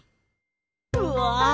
うわ！